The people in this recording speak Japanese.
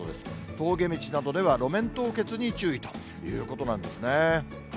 峠道などでは路面凍結に注意ということなんですね。